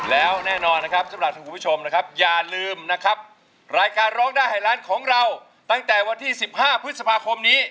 แล้วแน่นอนนะครับสำหรับท่านคุณผู้ชมนะครับอย่าลืมนะครับรายการร้องได้ให้ร้านของเราตั้งแต่วันที่๑๕พฤษภาคมนี้